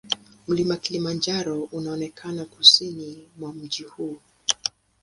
Mlima Kilimanjaro unaonekana kusini mwa mji huu.